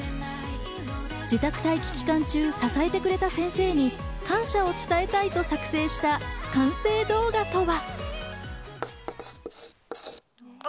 自宅待機期間中、支えてくれた先生に感謝を伝えたいと作成した完成動画とは。